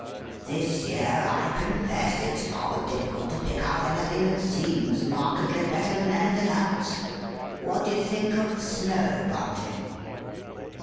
This year, I confess, it's rather difficult to pick out anything that seems markedly better than anything else. What do you think of Snow Bunting?"